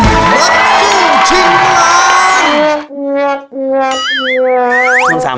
เมื่อกี้ชิงล้าน